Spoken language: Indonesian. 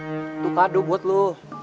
itu kado buat lo